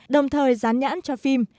đồng thời rán nhãn cho phim